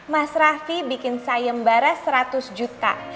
mas raffi bikin sayem bara seratus juta